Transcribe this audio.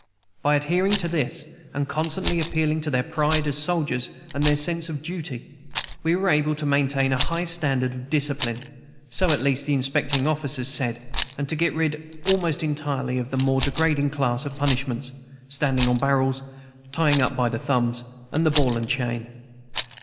By adhering to this, and constantly appealing to their pride as soldiers and their sense of duty, we were able to maintain a high standard of discipline, so, at least, the inspecting officers said, and to get rid, almost entirely, of the more degrading class of punishments, standing on barrels, tying up by the thumbs, and the ball and chain.